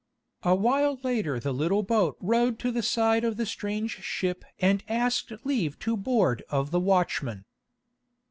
A while later the little boat rowed to the side of the strange ship and asked leave to board of the watchman.